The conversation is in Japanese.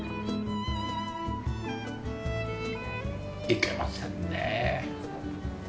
いけませんねえ。